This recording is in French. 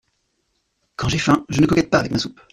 Quand j’ai faim, je ne coquette pas avec ma soupe !